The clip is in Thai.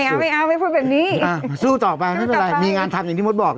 ไม่เอาไม่เอาไม่พูดแบบนี้อ่าสู้ต่อไปสู้ต่อไปมีงานทำอย่างที่มดบอก